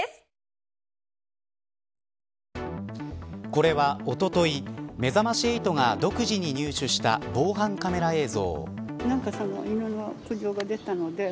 これはおとといめざまし８が独自に入手した防犯カメラ映像。